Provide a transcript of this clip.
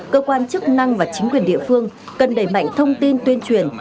cơ quan chức năng và chính quyền địa phương cần đẩy mạnh thông tin tuyên truyền